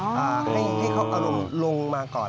ให้เขาอารมณ์ลงมาก่อน